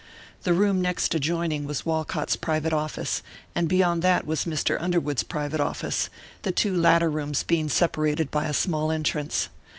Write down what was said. The room next adjoining was Walcott's private office, and beyond that was Mr. Underwood's private office, the two latter rooms being separated by a small entrance.